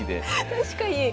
確かに。